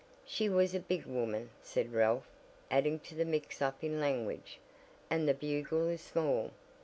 "She was a big woman," said Ralph, adding to the mix up in language, "and the Bugle is small.